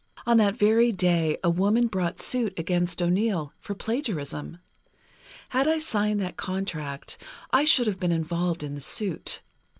On that very day, a woman brought suit against O'Neill, for plagiarism. Had I signed that contract, I should have been involved in the suit.